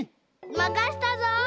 まかしたぞ！